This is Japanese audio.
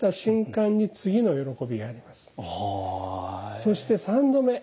そして３度目。